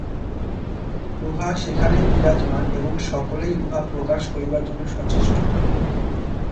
উহা সেখানেই বিরাজমান, এবং সকলেই উহা প্রকাশ করিবার জন্য সচেষ্ট।